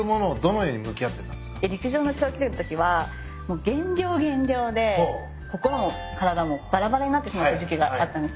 陸上の長距離のときはもう減量減量で心も体もばらばらになってしまった時期があったんですね。